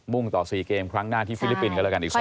่งต่อ๔เกมครั้งหน้าที่ฟิลิปปินส์กันแล้วกันอีก